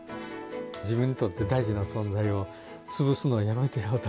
自分にとって大事な存在をつぶすのはやめてよと。